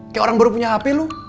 kayak orang baru punya hp loh